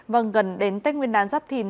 vâng gần đến tết nguyên đán giáp thìn